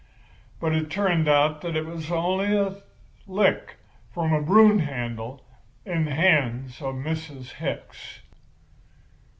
But it turned out to be only a lick from a broomhandle in the hands of Mrs. Hicks."